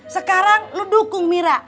sekarang lu dukung mira